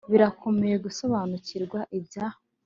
birakomeye gusobanukirwa; ibya